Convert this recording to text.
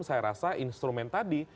saya rasa instrumen tadi